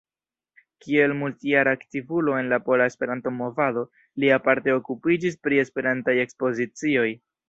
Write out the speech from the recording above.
Kiel multjara aktivulo en la pola Esperanto-movado li aparte okupiĝis pri Esperantaj ekspozicioj.